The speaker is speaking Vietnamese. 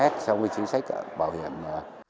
nét so với chính sách bảo hiểm